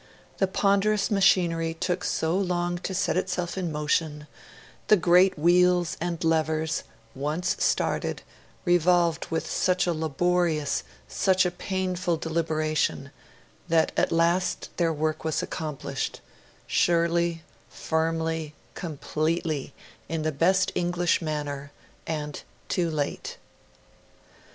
The ponderous machinery took so long to set itself in motion; the great wheels and levers, once started, revolved with such a laborious, such a painful deliberation, that at last their work was accomplished surely, firmly, completely, in the best English manner, and too late.